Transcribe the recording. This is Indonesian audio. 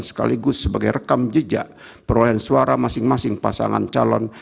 sekaligus sebagai rekam jejak perolehan suara masing masing pasangan calon